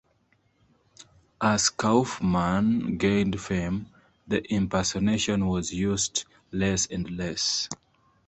As Kaufman gained fame, the impersonation was used less and less.